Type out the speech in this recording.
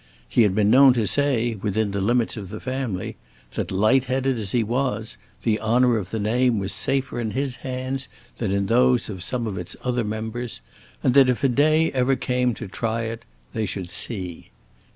He had been known to say, within the limits of the family, that, light headed as he was, the honor of the name was safer in his hands than in those of some of its other members, and that if a day ever came to try it, they should see.